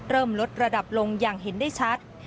เริ่มลดระดับลงอย่างเห็นได้ชัด